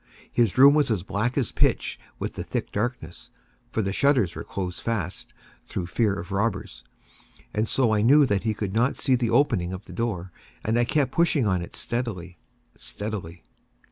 His room was as black as pitch with the thick darkness, (for the shutters were close fastened, through fear of robbers,) and so I knew that he could not see the opening of the door, and I kept pushing it on steadily, steadily.